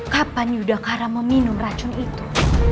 kapan yudhakara meminum racun itu